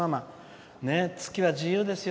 月は自由ですよ。